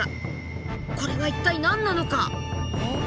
これは一体何なのか？